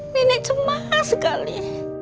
nenek cemas sekali